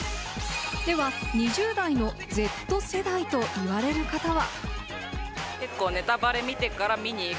では２０代のＺ世代と言われる方は。